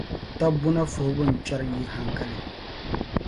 Taba buna fuhibu n-kpɛri yi haŋkali.